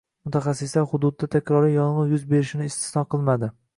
Mutaxassislar hududda takroriy yong‘in yuz berishini istisno qilmaydi